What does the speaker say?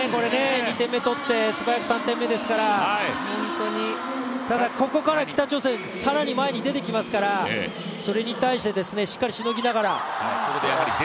２点目取って、素早く３点目ですからただここから北朝鮮、更に前に出てきますからそれに対してしっかりしのぎながら。